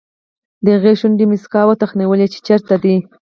د هغه شونډې موسکا وتخنولې چې چېرته دی.